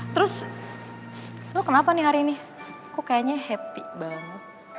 terus lo kenapa nih hari ini kok kayaknya happy banget